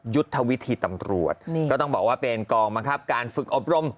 ยุทธวิธีตำรวจก็ต้องบอกว่าเป็นกองบังคับการฝึกอบรม